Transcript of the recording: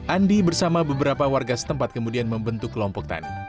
andi bersama beberapa warga setempat kemudian membentuk kelompok tani